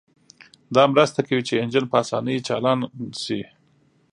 دا مرسته کوي چې انجن په اسانۍ چالان شي